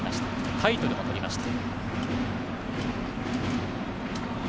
タイトルも取りました。